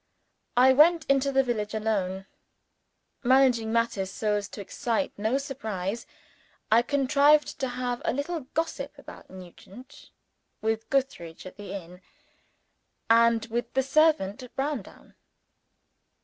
I went into the village alone. Managing matters so as to excite no surprise, I contrived to have a little gossip about Nugent with Gootheridge at the inn, and with the servant at Browndown.